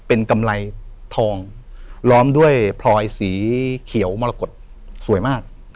เป็นกำไรทองล้อมด้วยพลอยสีเขียวมรกฏสวยมาก